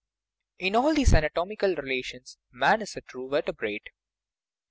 In all these anatomical relations man is a true vertebrate.